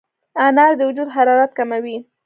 انار د وجود حرارت کموي.